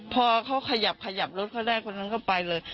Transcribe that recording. พอเขาขยับขยับรถเขาได้คนนั้นก็ไปเลย